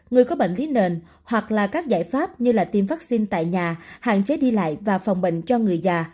người có bệnh lý nền hoặc là các giải pháp như tiêm vaccine tại nhà hạn chế đi lại và phòng bệnh cho người già